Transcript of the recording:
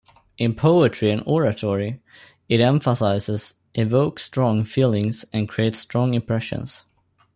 In poetry and oratory, it emphasizes, evokes strong feelings, and creates strong impressions.